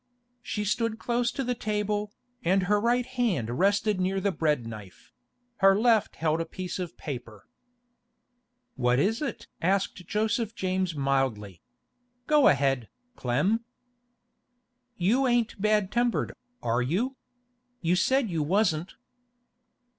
She stood close to the table, and her right hand rested near the bread knife; her left held a piece of paper. 'What is it?' asked Joseph James mildly. 'Go ahead, Clem.' 'You ain't bad tempered, are you? You said you wasn't.